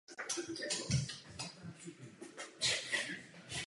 Pojem jižní Evropa je možné chápat v užším a širším smyslu.